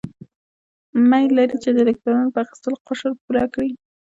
میل لري چې د الکترونو په اخیستلو قشر پوره کړي.